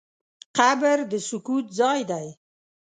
قبر د سکوت ځای دی.